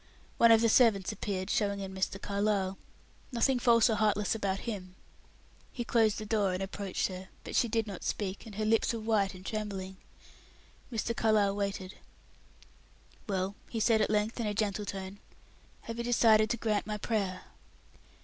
One of the servants appeared, showing in Mr. Carlyle; nothing false or heartless about him. He closed the door, and approached her, but she did not speak, and her lips were white and trembling. Mr. Carlyle waited. "Well," he said at length, in a gentle tone, "have you decided to grant my prayer?"